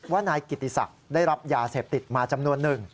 ว่านายกิตตีศักดิ์ได้รับยาเสพติดมาจำนวน๑